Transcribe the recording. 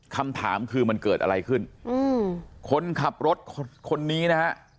คำถามคือมันเกิดอะไรขึ้นอืมคนขับรถคนนี้นะฮะ